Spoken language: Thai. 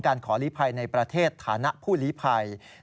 ขอลีภัยในประเทศฐานะผู้ลีภัย